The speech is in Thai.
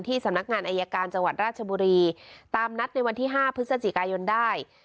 สำนักงานอายการจังหวัดราชบุรีตามนัดในวันที่๕พฤศจิกายนได้